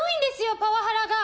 パワハラが！